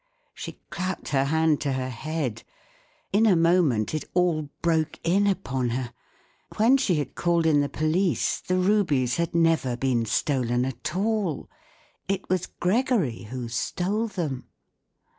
She clapped her hand to her head* In a moment it all broke in upon her. When she had called in the police, the rubies had never been stolen at all. It w*as Gregory who stole them